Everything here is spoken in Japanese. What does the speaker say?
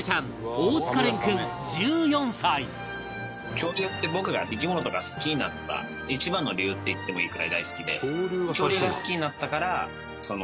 恐竜って僕が生き物とか好きになった一番の理由って言ってもいいくらい大好きで。